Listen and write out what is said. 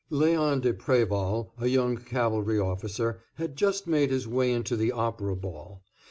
Léon de Préval, a young cavalry officer, had just made his way into the Opera Ball.